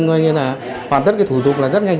coi như là hoàn tất cái thủ tục là rất nhanh